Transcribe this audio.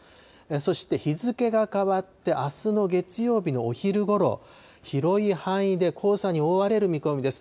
そして日付が変わって、あすの月曜日のお昼ごろ、広い範囲で黄砂に覆われる見込みです。